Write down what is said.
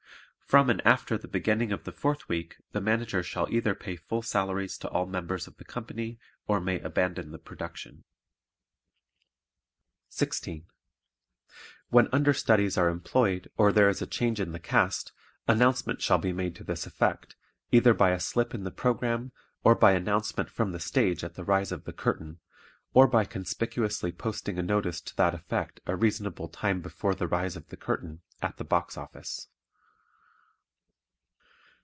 From and after the beginning of the fourth week the Manager shall either pay full salaries to all members of the company or may abandon the production. 16. When understudies are employed or there is a change in the cast, announcement shall be made to this effect, either by a slip in the program, or by announcement from the stage at the rise of the curtain, or by conspicuously posting a notice to that effect a reasonable time before the rise of the curtain, at the box office.